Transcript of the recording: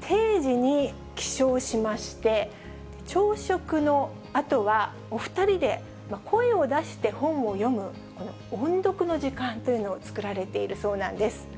定時に起床しまして、朝食のあとは、お２人で声を出して本を読む、この音読の時間というのを作られているそうなんです。